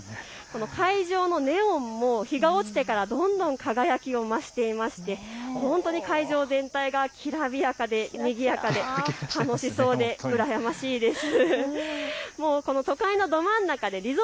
会場のネオンも日が落ちてからどんどん輝きを増ていまして本当に会場全体がきらびやかでにぎやかで楽しそうで羨ましいです。